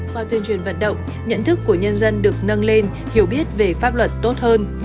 qua tuyên truyền vận động nhận thức của nhân dân được nâng lên hiểu biết về pháp luật tốt hơn